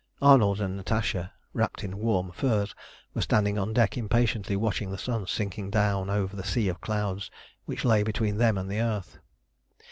Arnold and Natasha, wrapped in warm furs, were standing on deck impatiently watching the sun sinking down over the sea of clouds which lay between them and the earth.